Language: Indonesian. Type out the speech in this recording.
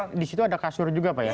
tapi kalau disitu ada kasur juga pak ya